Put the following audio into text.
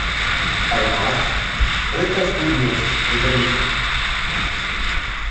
Además, renta estudios de televisión.